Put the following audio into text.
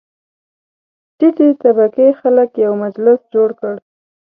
ټیټې طبقې خلک یو مجلس جوړ کړ.